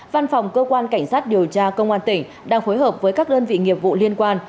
văn phòng cơ quan cảnh sát điều tra công an tỉnh đang phối hợp với các đơn vị nghiệp vụ liên quan